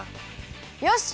よし！